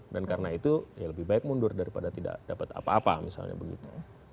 dan karena itu lebih baik mundur daripada tidak dapat apa apa misalnya begitu